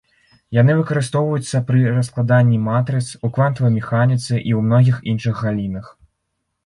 Яны выкарыстоўваюцца пры раскладанні матрыц, у квантавай механіцы і ў многіх іншых галінах.